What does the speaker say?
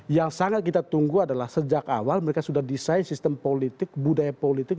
yang sangat kita tunggu adalah sejak awal mereka sudah desain sistem politik budaya politik